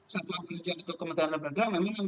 satu agar jadwal kementerian lembaga memang yang